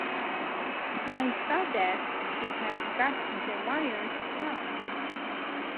I saw that she had got the wires crossed.